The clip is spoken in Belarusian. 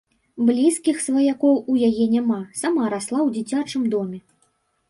Блізкіх сваякоў у яе няма, сама расла ў дзіцячым доме.